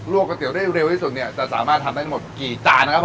ก๋วเตี๋ได้เร็วที่สุดเนี่ยจะสามารถทำได้ทั้งหมดกี่จานนะครับผม